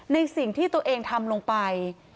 ในสิ่งที่ตัวเองทำลงไป